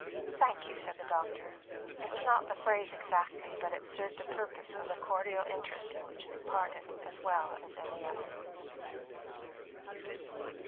"Thank you," said the doctor. It was not the phrase exactly, but it served the purpose of the cordial interest in which they parted as well as another.